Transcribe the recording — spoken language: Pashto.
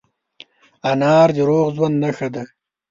انار د روغ ژوند نښه ده.